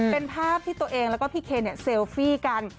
เป็นภาพที่ตัวเองแล้วก็พี่เคนเซลฟี่กัน